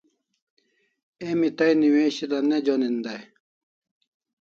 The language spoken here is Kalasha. Emi tai newishil'a ne jonin dai